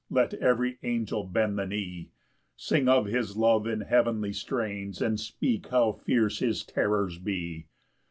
Let every angel bend the knee; Sing of his love in heavenly strains, And speak how fierce his terrors be.